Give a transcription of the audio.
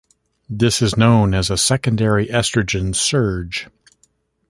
This is known as a "secondary oestrogen surge".